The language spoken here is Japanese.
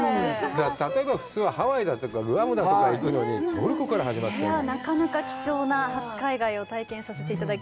例えば普通、ハワイだとか、グアムだとか行くのに、トルコから始まったんだよ。